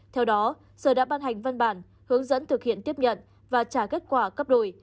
theo đó sở đã ban hành văn bản hướng dẫn thực hiện tiếp nhận và trả kết quả cấp đổi